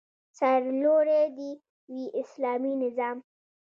سرلوړی دې وي اسلامي نظام